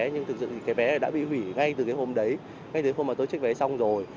nhưng thực sự thì cái vé đã bị hủy ngay từ cái hôm đấy ngay từ hôm mà tôi check vé xong rồi